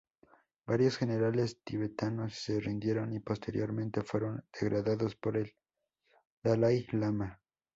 Varios generales tibetanos se rindieron, y posteriormente fueron degradados por el Dalái lama.